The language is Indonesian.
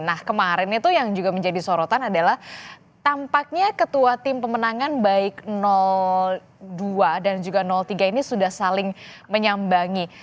nah kemarin itu yang juga menjadi sorotan adalah tampaknya ketua tim pemenangan baik dua dan juga tiga ini sudah saling menyambangi